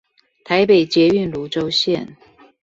台北捷運蘆洲線